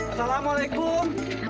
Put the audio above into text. menang oges ya kuai